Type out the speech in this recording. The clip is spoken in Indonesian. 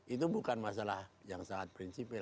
itu bukan masalah yang sangat prinsipil